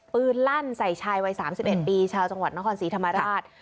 ปืนลั่นใส่ชายวัยสามสิบเอ็ดปีชาวจังหวัดนครศรีธรรมราช